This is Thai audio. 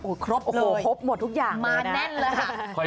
ครบโอ้โหครบหมดทุกอย่างมาแน่นเลยค่ะ